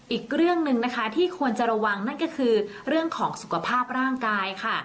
อีกเรื่องหนึ่งนะคะที่ควรจะระวังนั่นก็คือเรื่องของสุขภาพร่างกายค่ะ